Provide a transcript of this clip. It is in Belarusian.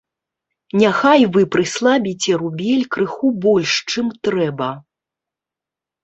Няхай вы прыслабіце рубель крыху больш, чым трэба.